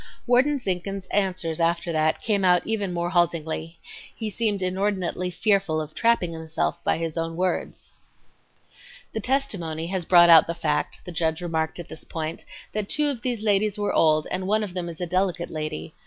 Warden Zinkhan's answers after that came even more haltingly. He seemed inordinately fearful of trapping himself by his own words. "The testimony has brought out the fact," the judge remarked at this point, "that two of these ladies were old and one of them is a delicate lady.